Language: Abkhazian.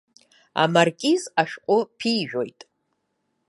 Амаркиз ашәҟәы ԥижәоит.